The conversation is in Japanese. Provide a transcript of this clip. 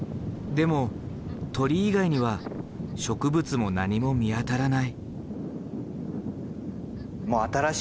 でも鳥以外には植物も何も見当たらない。